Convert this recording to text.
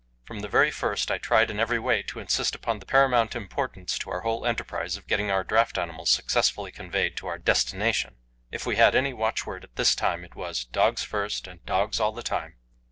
From the very first I tried in every way to insist upon the paramount importance to our whole enterprise of getting our draught animals successfully conveyed to our destination. If we had any watchword at this time it was: "Dogs first, and dogs all the time."